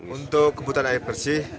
untuk kebutuhan air bersih